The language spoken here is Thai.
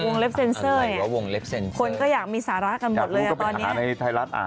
วงเล็บเซ็นเซอร์อย่างนี้คนก็อยากมีสาระกันหมดเลยตอนนี้อยากรู้ก็ไปอาหารในไทยรัฐอ่าน